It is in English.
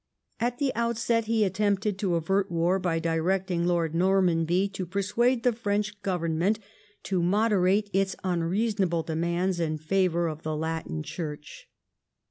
At the outset he attempted to avert war by directing Lord Normanby to persuade the French Government to moderate its unreasonable de mands in favour of the Latin Church.